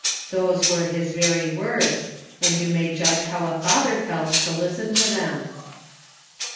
Those were his very words, and you may judge how a father felt to listen to them."